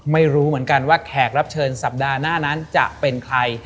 ไม่รู้เหมือนกันว่าแขกรับเชิญสัปดาห์หน้านั้นจะเป็นใคร